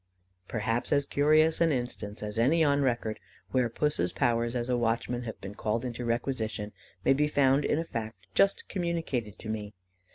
Perhaps as curious an instance as any on record, where Puss's powers as a watchman have been called into requisition, may be found in a fact just communicated to me.